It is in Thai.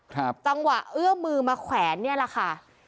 จังหวะเอื้อมือมาแขวนเนี่ยแหละค่ะ